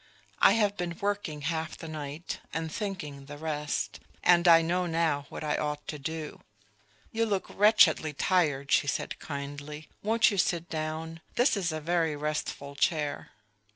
I have been working half the night, and thinking the rest; and I know now what I ought to do." "You look wretchedly tired," she said kindly. "Won't you sit down? this is a very restful chair.